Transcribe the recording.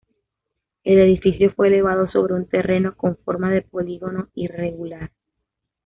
El edificio fue elevado sobre un terreno con forma de polígono irregular.